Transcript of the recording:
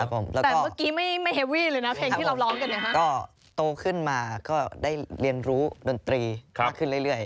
ก็โตขึ้นมาก็ได้เรียนรู้ดนตรีขึ้นเรื่อย